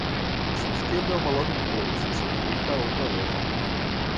A sua esquerda há uma loja de bolos, a sua direita há outra loja